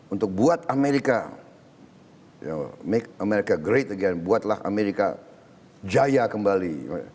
untuk buat amerika make america great again buatlah amerika jaya kembali